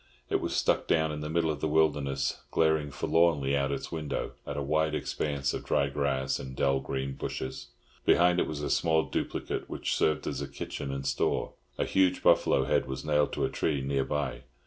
It was stuck down in the middle of the wilderness, glaring forlornly out of its windows at a wide expanse of dry grass and dull green bushes. Behind it was a small duplicate, which served as kitchen and store. A huge buffalo head was nailed to a tree near by.